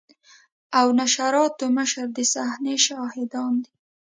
او نشراتو مشر د صحنې شاهدان دي.